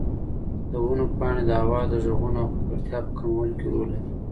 د ونو پاڼې د هوا د غږونو او ککړتیا په کمولو کې رول لري.